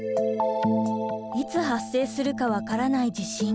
いつ発生するか分からない地震。